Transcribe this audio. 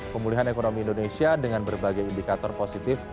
pemulihan ekonomi indonesia dengan berbagai indikator positif